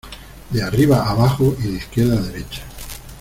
de arriba a bajo y de izquierda a derecha ;